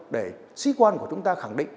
để sĩ quan của chúng ta khẳng định